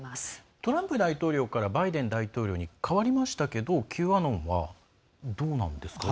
トランプ大統領からバイデン大統領に代わりましたがＱアノンはどうなんですか？